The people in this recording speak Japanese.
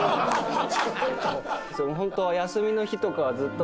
ホントは休みの日とかはずっと。